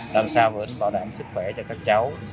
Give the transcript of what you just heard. đằng sau vẫn bảo đảm sức khỏe cho các cháu